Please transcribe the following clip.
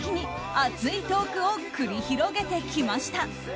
熱いトークを繰り広げてきました。